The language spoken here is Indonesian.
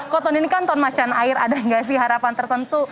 kok tahun ini kan tahun macan air ada nggak sih harapan tertentu